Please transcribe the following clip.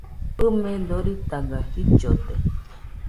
ɨme doritaga jillode